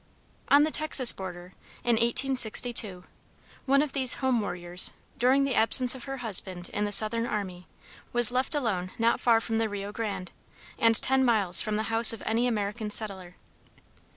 On the Texas border, in 1862, one of these home warriors, during the absence of her husband in the Southern army, was left alone not far from the Rio Grande, and ten miles from the house of any American settler.